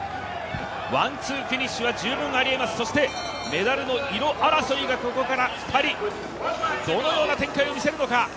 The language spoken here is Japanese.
ワン・ツーフィニッシュなるか、そしてメダルの色争いがここから２人、どのような展開を見せるのか。